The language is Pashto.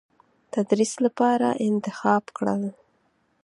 تدریس لپاره انتخاب کړل.